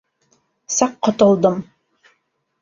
Саҡ ҡотолдом.